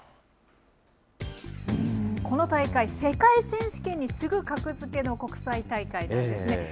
この大会、世界選手権に次ぐ格付けの国際大会なんですね。